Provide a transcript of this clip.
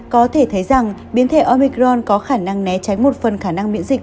có thể thấy rằng biến thể omicron có khả năng né tránh một phần khả năng miễn dịch